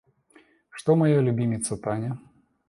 Что моя любимица Таня?